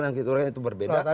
yang kita lihat itu berbeda